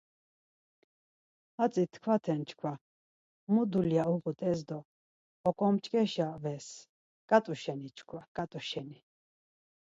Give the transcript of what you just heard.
Hatzi tkvaten çkva Mu dulya uğut̆es do ohkomç̌ǩeşa ves? Ǩat̆u şeni çkva ǩat̆u şeni.